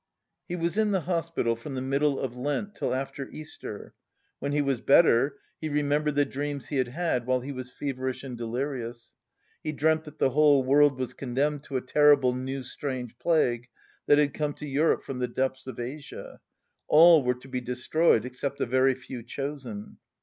He was in the hospital from the middle of Lent till after Easter. When he was better, he remembered the dreams he had had while he was feverish and delirious. He dreamt that the whole world was condemned to a terrible new strange plague that had come to Europe from the depths of Asia. All were to be destroyed except a very few chosen.